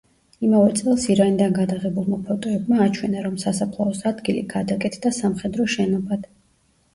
იმავე წელს, ირანიდან გადაღებულმა ფოტოებმა აჩვენა, რომ სასაფლაოს ადგილი გადაკეთდა სამხედრო შენობად.